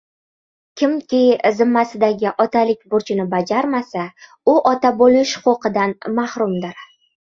Kimki zimmasidagi otalik burchini bajarmasa, u ota bo‘lish huquqidan mahrumdir.